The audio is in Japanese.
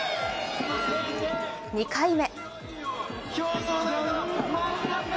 ２回目。